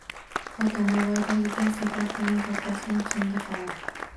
Foto: Navoiydagi gaz-zapravkaning portlashdan keyingi holati